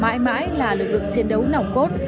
mãi mãi là lực lượng chiến đấu nỏng cốt